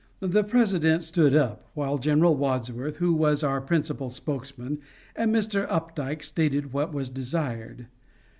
The President stood up while General Wadsworth, who was our principal spokesman, and Mr. Opdyke stated what was desired.